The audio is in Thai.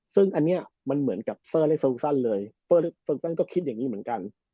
ซึ่งอันนี้มันเหมือนกับเซอร์เล็กโซซันเลยเซินซันก็คิดอย่างนี้เหมือนกัน